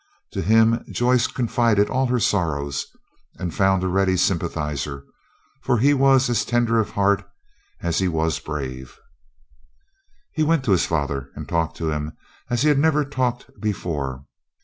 To him Joyce confided all her sorrows, and found a ready sympathizer, for he was as tender of heart as he was brave. He went to his father and talked to him as he had never talked before.